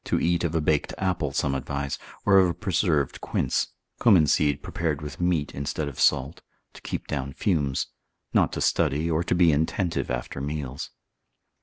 To eat of a baked apple some advice, or of a preserved quince, cuminseed prepared with meat instead of salt, to keep down fumes: not to study or to be intentive after meals.